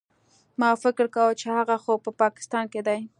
ما فکر وکړ چې هغه خو په پاکستان کښې دى.